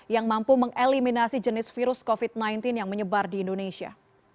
yang mampu mengeliminasi jenis virus covid sembilan belas yang menyebar di indonesia